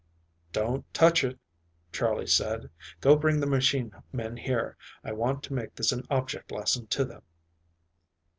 "Don't touch it," Charley said. "Go bring the machine men here. I want to make this an object lesson to them."